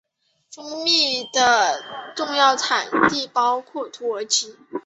蜂蜜的重要产地包括土耳其。